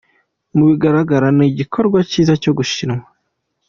Mu bigaragara ni igikorwa cyiza cyo gushimwa”.